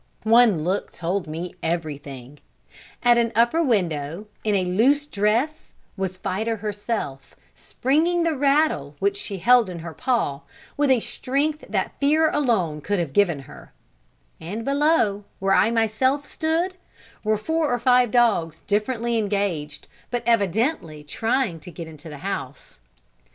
One look told me everything: at an upper window, in a loose dress, was Fida herself, springing the rattle which she held in her paw, with a strength that fear alone could have given her; and below, where I myself stood, were four or five dogs differently engaged, but evidently trying to get into the house.